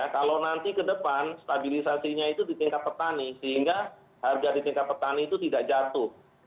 kalau nanti ke depan stabilisasinya itu di tingkat petani sehingga harga di tingkat petani itu tidak jatuh